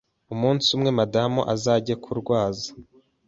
Umunsi umwe madamu azajye kurwaza